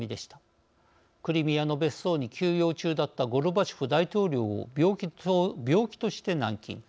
クリミアの別荘に休養中だったゴルバチョフ大統領を病気として軟禁。